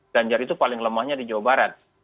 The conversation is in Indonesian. ganjar itu paling lemahnya di jawa barat